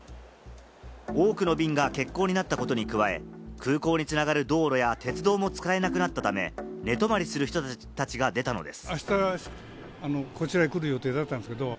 多くの便が欠航になったことに加え、空港に繋がる道路や鉄道も使えなくなったため、寝泊まりする人たちが出たのです。